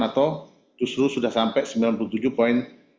atau justru sudah sampai sembilan puluh tujuh poin